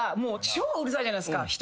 超うるさいじゃないですか。